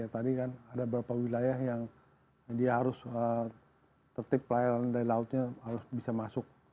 tadi kan ada beberapa wilayah yang dia harus tertip pelayanan dari lautnya harus bisa masuk